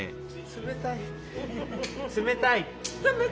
冷たい？